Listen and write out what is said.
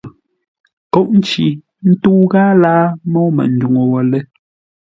Kôʼ nci ńtə́u ghâa láa môu Manduŋ wə̂ lə́!